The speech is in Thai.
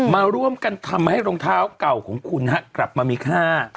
มาร่วมกันทำให้รองเท้าเก่าของคุณกลับมามีค่า